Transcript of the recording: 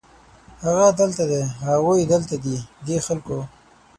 هغه دلته دی، هغوی دلته دي ، دې خلکو